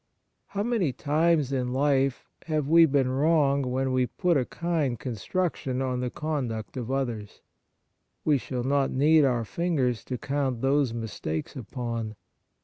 How many times in life have we been wrong when we put a kind construction on the conduct of others ? We shall not need our fingers to count those mistakes upon.